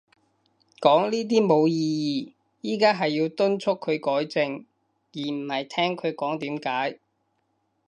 講呢啲冇意義。而家係要敦促佢改正，而唔係聽佢講點解